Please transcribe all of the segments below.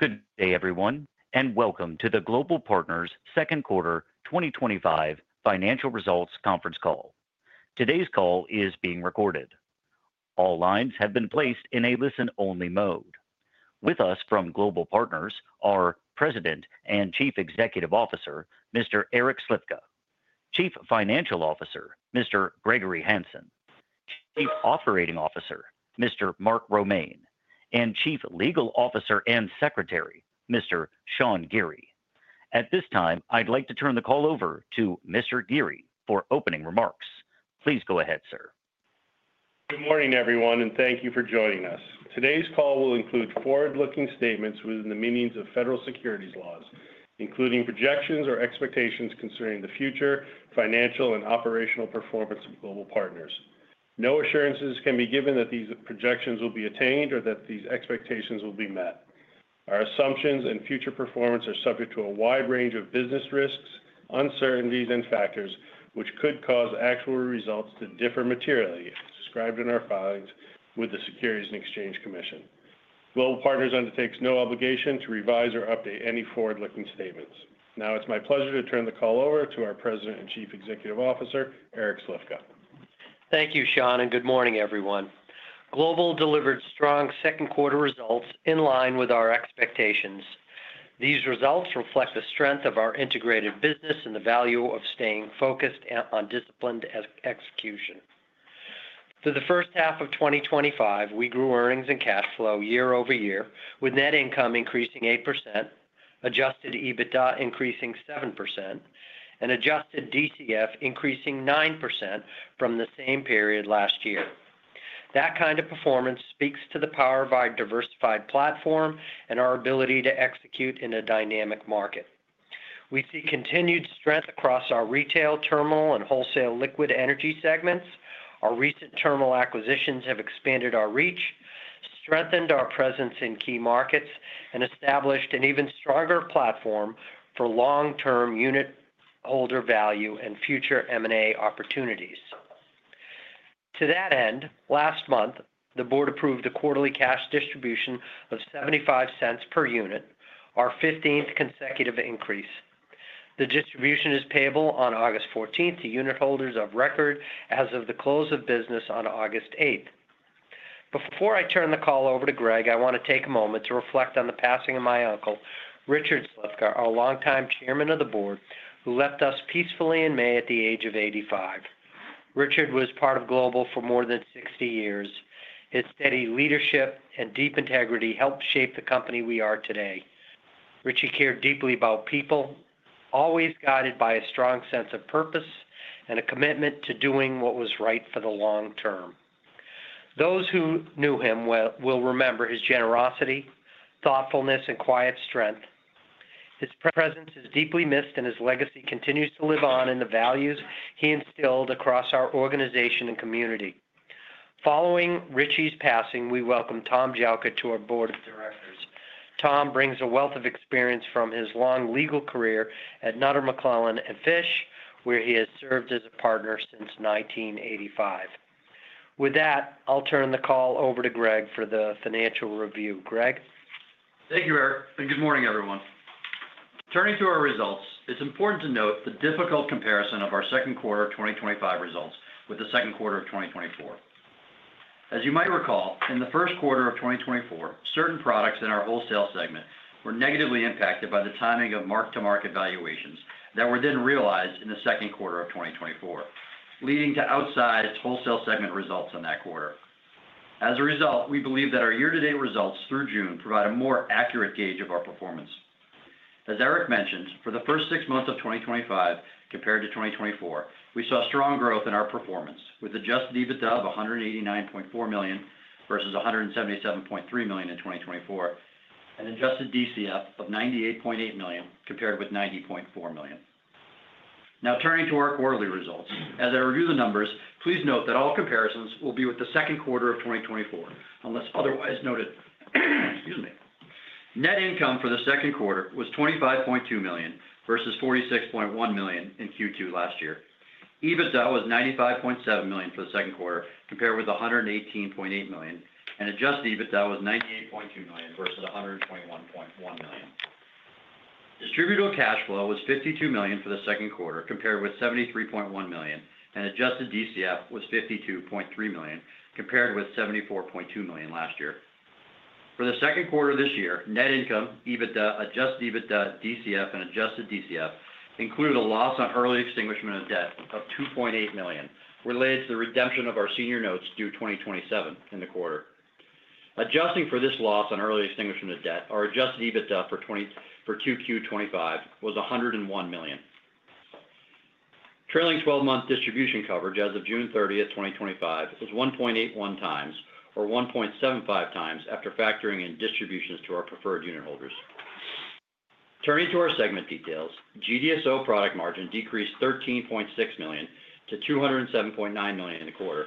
Good day, everyone, and welcome to the Global Partners Second Quarter 2025 Financial Results Conference Call. Today's call is being recorded. All lines have been placed in a listen-only mode. With us from Global Partners are President and Chief Executive Officer, Mr. Eric Slifka, Chief Financial Officer, Mr. Gregory Hanson, Chief Operating Officer, Mr. Mark Romaine, and Chief Legal Officer and Secretary, Mr. Sean Geary. At this time, I'd like to turn the call over to Mr. Geary for opening remarks. Please go ahead, sir. Good morning, everyone, and thank you for joining us. Today's call will include forward-looking statements within the meanings of federal securities laws, including projections or expectations concerning the future financial and operational performance of Global Partners. No assurances can be given that these projections will be attained or that these expectations will be met. Our assumptions and future performance are subject to a wide range of business risks, uncertainties, and factors which could cause actual results to differ materially, as described in our filings with the Securities and Exchange Commission. Global Partners undertakes no obligation to revise or update any forward-looking statements. Now, it's my pleasure to turn the call over to our President and Chief Executive Officer, Eric Slifka. Thank you, Sean, and good morning, everyone. Global delivered strong second-quarter results in line with our expectations. These results reflect the strength of our integrated business and the value of staying focused on disciplined execution. For the first half of 2025, we grew earnings and cash flow year over year, with net income increasing 8%, adjusted EBITDA increasing 7%, and adjusted DCF increasing 9% from the same period last year. That kind of performance speaks to the power of our diversified platform and our ability to execute in a dynamic market. We see continued strength across our retail, terminal, and wholesale liquid energy segments. Our recent terminal acquisitions have expanded our reach, strengthened our presence in key markets, and established an even stronger platform for long-term unitholder value and future M&A opportunities. To that end, last month, the board approved the quarterly cash distribution of $0.75 per unit, our 15th consecutive increase. The distribution is payable on August 14th to unitholders of record as of the close of business on August 8. Before I turn the call over to Greg, I want to take a moment to reflect on the passing of my uncle, Richard, our long time Chairman of the Board, who left us peacefully in May at the age of 85. Richard was part of Global Partners for more than 60 years. His steady leadership and deep integrity helped shape the company we are today. Richard cared deeply about people, always guided by a strong sense of purpose and a commitment to doing what was right for the long term. Those who knew him will remember his generosity, thoughtfulness, and quiet strength. His presence is deeply missed, and his legacy continues to live on in the values he instilled across our organization and community. Following Richie's passing, we welcome Tom Jouka to our Board of Directors. Tom brings a wealth of experience from his long legal career at Nutter McClennen & Fish, where he has served as a partner since 1985. With that, I'll turn the call over to Greg for the financial review. Greg? Thank you, Eric, and good morning, everyone. Turning to our results, it's important to note the difficult comparison of our second quarter 2025 results with the second quarter of 2024. As you might recall, in the first quarter of 2024, certain products in our wholesale segment were negatively impacted by the timing of mark-to-market valuations that were then realized in the second quarter of 2024, leading to outsized wholesale segment results in that quarter. As a result, we believe that our year-to-date results through June provide a more accurate gauge of our performance. As Eric mentioned, for the first six months of 2025 compared to 2024, we saw strong growth in our performance with an adjusted EBITDA of $189.4 million versus $177.3 million in 2024, and an adjusted DCF of $98.8 million compared with $90.4 million. Now, turning to our quarterly results, as I review the numbers, please note that all comparisons will be with the second quarter of 2024, unless otherwise noted. Net income for the second quarter was $25.2 million versus $46.1 million in Q2 last year. EBITDA was $95.7 million for the second quarter compared with $118.8 million, and adjusted EBITDA was $98.2 million versus $121.1 million. Distributed cash flow was $52 million for the second quarter compared with $73.1 million, and adjusted DCF was $52.3 million compared with $74.2 million last year. For the second quarter this year, net income, EBITDA, adjusted EBITDA, DCF, and adjusted DCF included a loss on early extinguishment of debt of $2.8 million related to the redemption of our senior unsecured notes due 2027 in the quarter. Adjusting for this loss on early extinguishment of debt, our adjusted EBITDA for Q2 2025 was $101 million. Trailing 12-month distribution coverage as of June 30, 2025, was 1.81 times or 1.75 times after factoring in distributions to our preferred unitholders. Turning to our segment details, GDSO product margin decreased $13.6 million to $207.9 million in the quarter,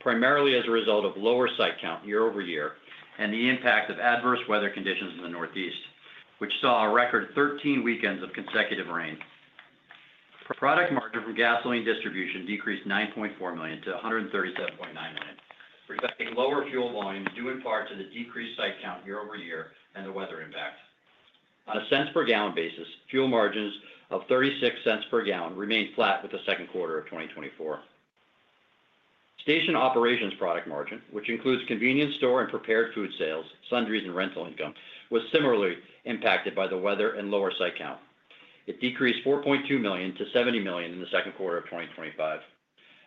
primarily as a result of lower site count year over year and the impact of adverse weather conditions in the Northeast, which saw a record 13 weekends of consecutive rain. Our product margin from gasoline distribution decreased $9.4 million-$137.9 million, a lower fuel volume due in part to the decreased site count year-over-year and the weather impact. On a cents per gallon basis, fuel margins of $0.36 per gallon remained flat with the second quarter of 2024. Station operations product margin, which includes convenience store and prepared food sales, sundries, and rental income, was similarly impacted by the weather and lower site count. It decreased $4.2 million-$70 million in the second quarter of 2025.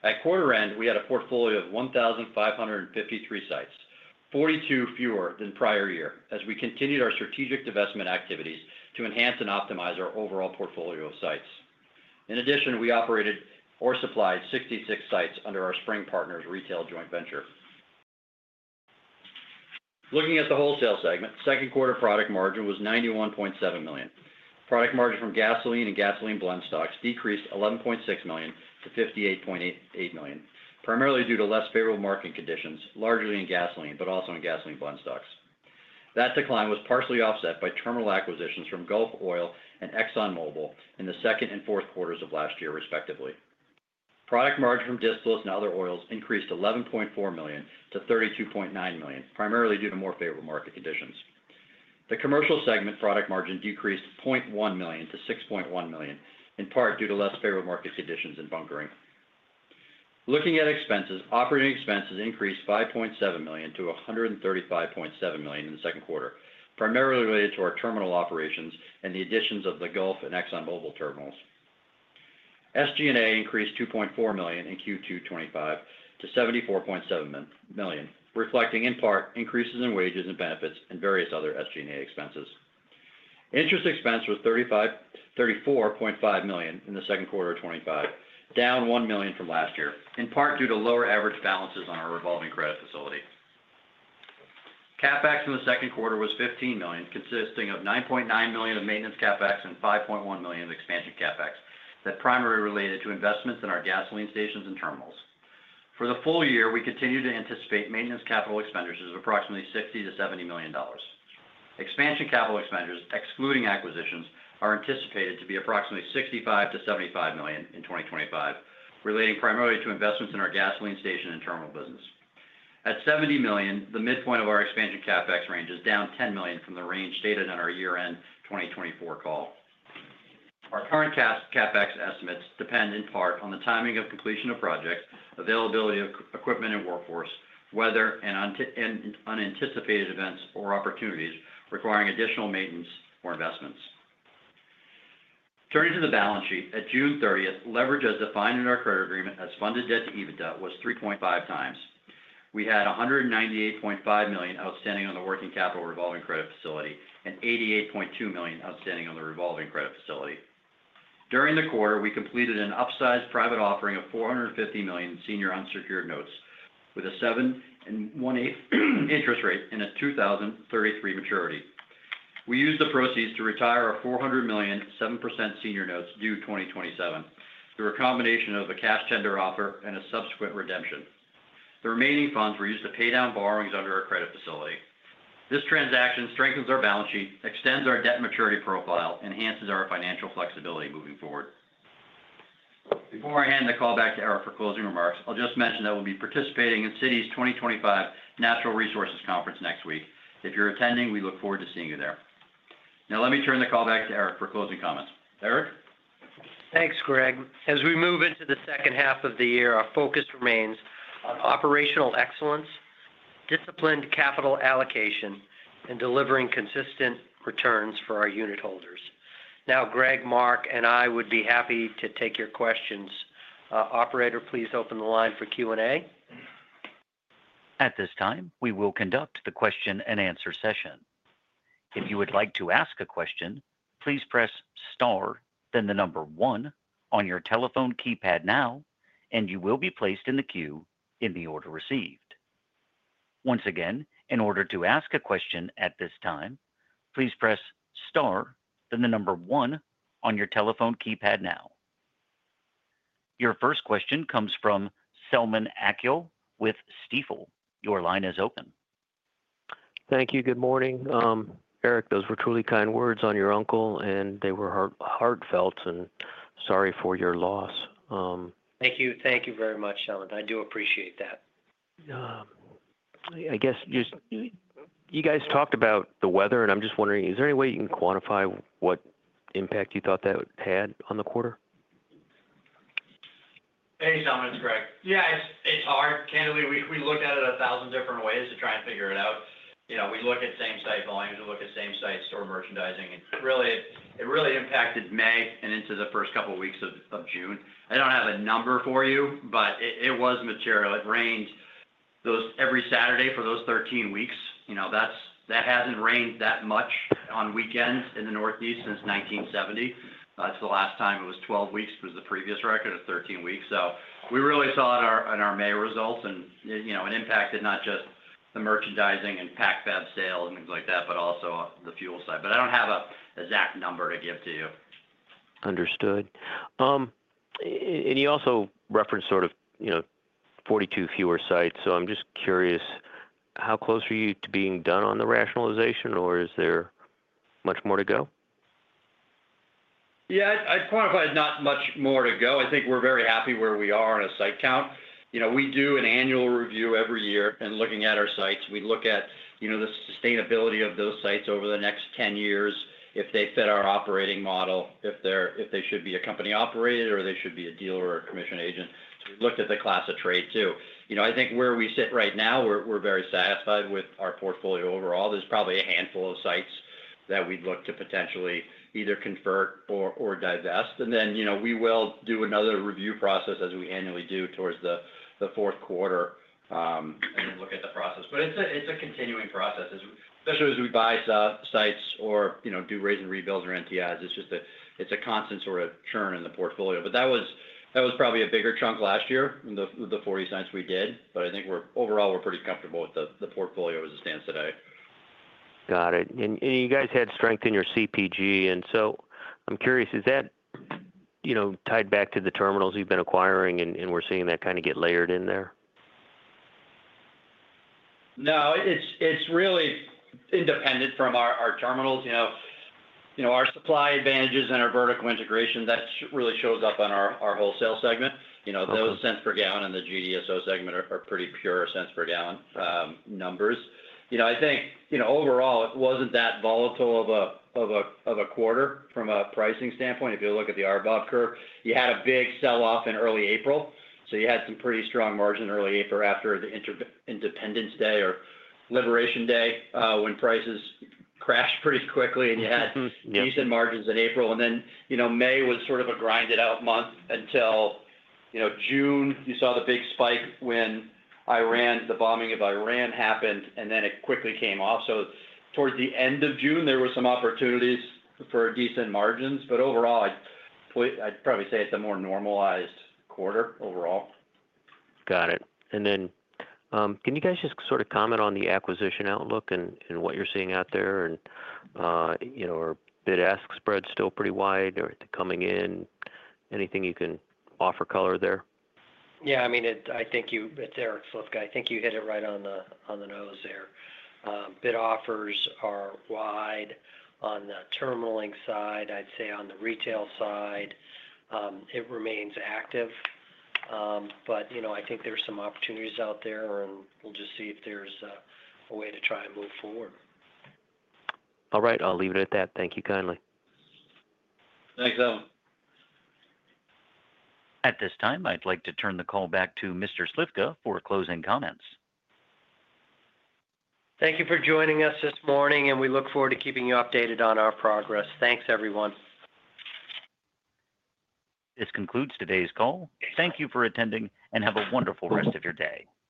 At quarter end, we had a portfolio of 1,553 sites, 42 fewer than prior year, as we continued our strategic divestment activities to enhance and optimize our overall portfolio of sites. In addition, we operated or supplied 66 sites under our Spring Partners retail joint venture. Looking at the wholesale segment, second quarter product margin was $91.7 million. Product margin from gasoline and gasoline blendstocks decreased $11.6 million-$58.8 million, primarily due to less favorable marketing conditions, largely in gasoline, but also in gasoline blendstocks. That decline was partially offset by terminal acquisitions from Gulf Oil and ExxonMobil in the second and fourth quarters of last year, respectively. Product margin from distillates and other oils increased $11.4 million-$32.9 million, primarily due to more favorable market conditions. The commercial segment product margin decreased $0.1 million-$6.1 million, in part due to less favorable market conditions in bunkering. Looking at expenses, operating expenses increased $5.7 million-$135.7 million in the second quarter, primarily related to our terminal operations and the additions of the Gulf Oil and ExxonMobil terminals. SG&A increased $2.4 million in Q2 2025 to $74.7 million, reflecting in part increases in wages and benefits and various other SG&A expenses. Interest expense was $34.5 million in the second quarter of 2025, down $1 million from last year, in part due to lower average balances on our revolving credit facility. CapEx in the second quarter was $15 million, consisting of $9.9 million of maintenance CapEx and $5.1 million of expansion CapEx that primarily related to investments in our gasoline stations and terminals. For the full year, we continue to anticipate maintenance capital expenditures of approximately $60 million-$70 million. Expansion capital expenditures, excluding acquisitions, are anticipated to be approximately $65 to $75 million in 2025, relating primarily to investments in our gasoline station and terminal business. At $70 million, the midpoint of our expansion CapEx range is down $10 million from the range stated in our year-end 2024 call. Our current CapEx estimates depend in part on the timing of completion of projects, availability of equipment and workforce, weather, and unanticipated events or opportunities requiring additional maintenance or investments. Turning to the balance sheet, at June 30th, leverage as defined in our credit agreement as funded debt to EBITDA was 3.5x. We had $198.5 million outstanding on the working capital revolving credit facility and $88.2 million outstanding on the revolving credit facility. During the quarter, we completed an upsized private offering of $450 million senior unsecured notes with a 7.125% interest rate and a 2033 maturity. We used the proceeds to retire our $400 million 7% senior notes due 2027, through a combination of a cash tender offer and a subsequent redemption. The remaining funds were used to pay down borrowings under our credit facility. This transaction strengthens our balance sheet, extends our debt maturity profile, and enhances our financial flexibility moving forward. Before I hand the call back to Eric for closing remarks, I'll just mention that we'll be participating in the Cities 2025 Natural Resources Conference next week. If you're attending, we look forward to seeing you there. Now, let me turn the call back to Eric for closing comments. Eric? Thanks, Greg. As we move into the second half of the year, our focus remains on operational excellence, disciplined capital allocation, and delivering consistent returns for our unitholders. Now, Greg, Mark, and I would be happy to take your questions. Operator, please open the line for Q&A. At this time, we will conduct the question and answer session. If you would like to ask a question, please press Star, then the number one on your telephone keypad now, and you will be placed in the queue in the order received. Once again, in order to ask a question at this time, please press Star, then the number one on your telephone keypad now. Your first question comes from Selman Akyol with Stifel. Your line is open. Thank you. Good morning. Eric, those were truly kind words on your uncle, and they were heartfelt. Sorry for your loss. Thank you. Thank you very much, Selman. I do appreciate that. I guess just you guys talked about the weather, and I'm just wondering, is there any way you can quantify what impact you thought that had on the quarter? Hey, Selman. It's Greg. Yeah, it's hard. Candidly, we looked at it a thousand different ways to try and figure it out. We look at same-state volumes. We look at same-state store merchandising. It really impacted May and into the first couple of weeks of June. I don't have a number for you, but it was material. It rained every Saturday for those 13 weeks. It hasn't rained that much on weekends in the Northeast since 1970. The last time it was 12 weeks was the previous record of 13 weeks. We really saw it in our May results, and it impacted not just the merchandising and packed bed sale and things like that, but also the fuel side. I don't have an exact number to give to you. Understood. You also referenced, you know, 42 fewer sites. I'm just curious, how close are you to being done on the rationalization, or is there much more to go? Yeah, I'd quantify not much more to go. I think we're very happy where we are on a site count. You know, we do an annual review every year, looking at our sites. We look at, you know, the sustainability of those sites over the next 10 years, if they fit our operating model, if they should be a company operator or they should be a dealer or a commission agent. We've looked at the class of trade too. I think where we sit right now, we're very satisfied with our portfolio overall. There's probably a handful of sites that we'd look to potentially either convert or divest. We will do another review process as we annually do towards the fourth quarter and look at the process. It's a continuing process, especially as we buy sites or do raise and rebuilds or NTIs. It's just a constant sort of churn in the portfolio. That was probably a bigger chunk last year in the 40 sites we did. I think overall we're pretty comfortable with the portfolio as it stands today. Got it. You guys had strength in your CPG, and I'm curious, is that tied back to the terminals you've been acquiring and we're seeing that kind of get layered in there? No, it's really independent from our terminals. Our supply advantages and our vertical integration, that really shows up on our wholesale segment. Those $0.01 per gallon in the GDSO segment are pretty pure $0.01 per gallon numbers. I think overall it wasn't that volatile of a quarter from a pricing standpoint. If you look at the RBOB curve, you had a big sell-off in early April. You had some pretty strong margins in early April after the Independence Day when prices crashed pretty quickly and you had decent margins in April. May was sort of a grinded-out month until June. You saw the big spike when the bombing of Iran happened, and then it quickly came off. Toward the end of June, there were some opportunities for decent margins. Overall, I'd probably say it's a more normalized quarter overall. Got it. Can you guys just sort of comment on the acquisition outlook and what you're seeing out there? Are bid/ask spreads still pretty wide or coming in? Anything you can offer color there? Yeah, I mean, I think you, it's Eric. I think you hit it right on the nose there. Bid/ask spreads are wide on the terminaling side. I'd say on the retail side, it remains active. I think there's some opportunities out there and we'll just see if there's a way to try and move forward. All right, I'll leave it at that. Thank you kindly. Thanks, Selman. At this time, I'd like to turn the call back to Mr. Slifka for closing comments. Thank you for joining us this morning, and we look forward to keeping you updated on our progress. Thanks, everyone. This concludes today's call. Thank you for attending and have a wonderful rest of your day.